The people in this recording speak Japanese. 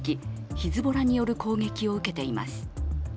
ヒズボラによる攻撃を受けています。